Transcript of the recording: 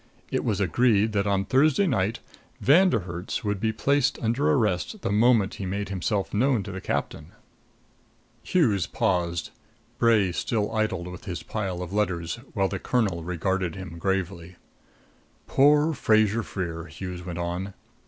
It was agreed that on Thursday night Von der Herts would be placed under arrest the moment he made himself known to the captain." Hughes paused. Bray still idled with his pile of letters, while the colonel regarded him gravely. "Poor Fraser Freer!" Hughes went on.